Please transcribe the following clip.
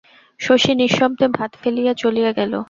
শশী নিঃশব্দে ভাত ফেলিয়া চলিয়া গেল।